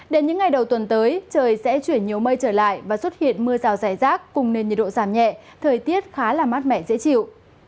đến những ngày đầu tuần tới trời sẽ chuyển nhiều mây trở lại và xuất hiện mưa rào rải rác cùng nền nhiệt độ giảm nhẹ thời tiết khá là mát mẻ dễ chịu